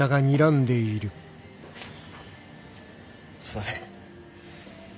すんません。